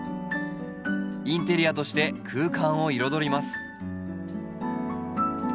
インテリアとして空間を彩ります。